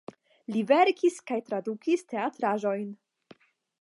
Li verkis kaj tradukis teatraĵojn.